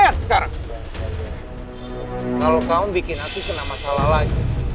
kau pasti kena masalah lagi